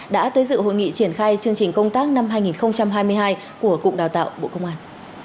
đã tới dự hội nghị triển khai chương trình công tác năm hai nghìn hai mươi hai của cục đào tạo bộ công an